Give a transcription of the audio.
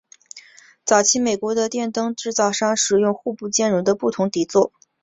早期美国的电灯制造商使用互不兼容的不同底座。